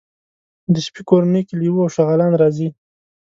د سپي کورنۍ کې لېوه او شغالان راځي.